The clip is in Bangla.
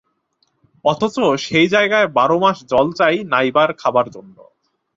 অথচ সেই জায়গার বারমাস জল চাই নাইবার-খাবার জন্য।